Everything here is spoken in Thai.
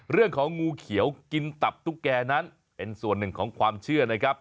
งูเขียวกินตับตุ๊กแก่นั้นเป็นส่วนหนึ่งของความเชื่อนะครับ